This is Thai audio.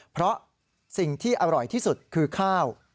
เพราะสิ่งที่อร่อยที่สุดคือข้าว